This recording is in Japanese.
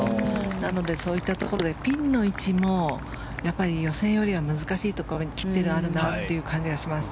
なので、そういったところでピンの位置も予選より難しいところに切ってあるなという感じがします。